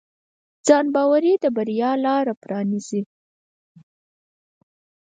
ځانباوري د بریا لاره پرانیزي.